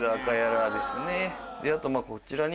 あとこちらに。